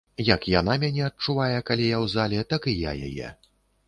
Як яна мяне адчувае, калі я ў зале, так і я яе.